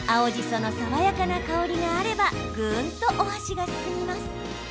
その爽やかな香りがあればぐんとお箸が進みます。